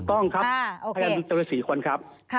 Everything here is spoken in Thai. ตัวสี่คนครับ